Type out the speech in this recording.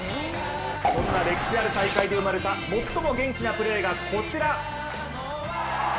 そんな歴史ある大会で生まれた最も元気なプレーがこちら。